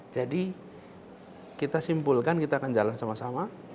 jadi kita simpulkan kita akan jalan sama sama